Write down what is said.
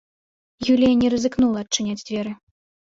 Юлія не рызыкнула адчыняць дзверы.